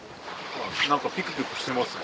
何かピクピクしてますよ。